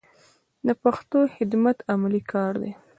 د پښتو خدمت عملي کار دی.